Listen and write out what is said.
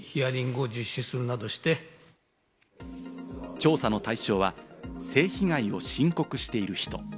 調査の対象は、性被害を申告している人。